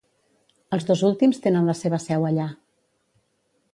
Els dos últims tenen la seva seu allà.